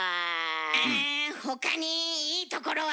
あ他にいいところは。